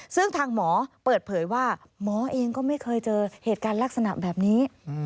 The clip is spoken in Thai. ซึ่งทางหมอเปิดเผยว่าหมอเองก็ไม่เคยเจอเหตุการณ์ลักษณะแบบนี้